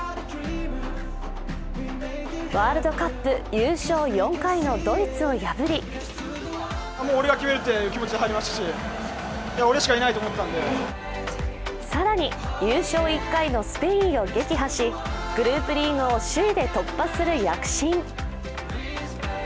ワールドカップ優勝４回のドイツを破り更に優勝１回のスペインを撃破し、グループリーグを首位で突破する躍進。